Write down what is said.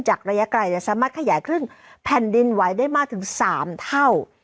ระยะไกลจะสามารถขยายครึ่งแผ่นดินไหวได้มากถึง๓เท่า